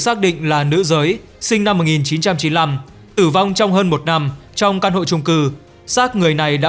xác định là nữ giới sinh năm một nghìn chín trăm chín mươi năm tử vong trong hơn một năm trong căn hộ trung cư sát người này đã